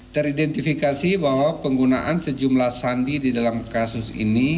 teridentifikasi bahwa penggunaan sejumlah sandi di dalam kasus ini